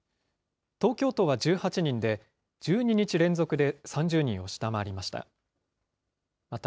東京都は１８人で、１２日連続で３０人を下回りました。